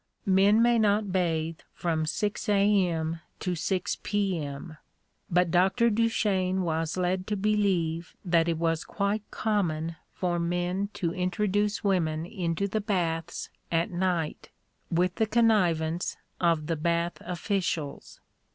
Men may not bathe from 6 A.M. to 6 P.M.; but Dr. Duchesne was led to believe that it was quite common for men to introduce women into the baths at night, with the connivance of the bath officials.